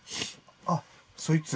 あっそいつ？